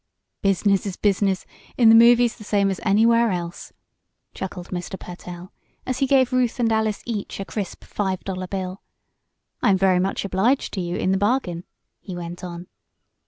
"Business is business in the movies the same as anywhere else," chuckled Mr. Pertell, as he gave Ruth and Alice each a crisp five dollar bill. "I am very much obliged to you, in the bargain," he went on.